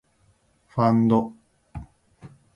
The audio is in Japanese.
ファンド